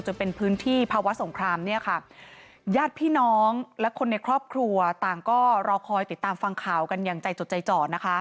จนเป็นพื้นที่ภาวะสงครามเนี่ยค่ะญาติพี่น้องและคนในครอบครัวต่างก็รอคอยติดตามฟังข่าวกันอย่างใจจดใจจ่อนะคะ